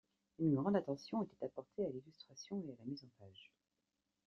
Une grande attention était apportée à l'illustration et à la mise en page.